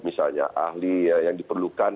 misalnya ahli yang diperlukan